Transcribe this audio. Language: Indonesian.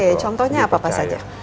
oke contohnya apa pak sadya